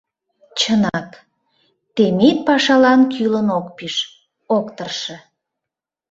Чынак, Темит пашалан кӱлын ок пиж, ок тырше.